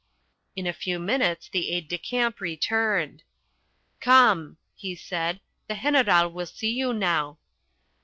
In a few minutes the aide de camp returned. "Come," he said, "the General will see you now."